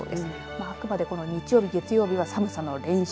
あくまでこの日曜日、月曜日は寒さの練習。